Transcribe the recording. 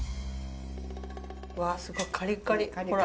わすごいカリカリほら。